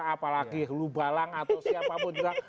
apalagi lubalang atau siapapun juga